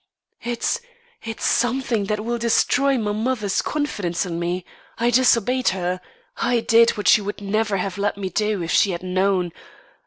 "It's it's something that will destroy my mother's confidence in me. I disobeyed her. I did what she would never have let me do if she had known.